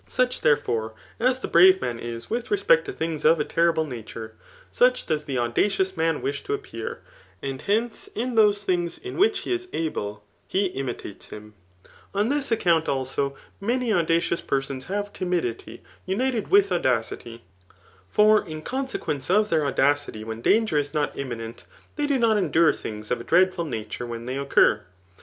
Such, therefore, as thel)rav< inan is with reject to things of a terrible nature, such does the audacious man wish fx> appear; and heaee, m those things in which he is able, he imitates him* On this account, also, many audacious persons have timidity united with audacity ; for in c(msequence of their auda city when danger is not imminent, they do not endure things of a dreadful nature [when they occur].